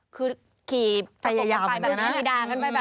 คือขี่ประกบไปแบบนี้ขี่ด่างกันไปแบบนั้น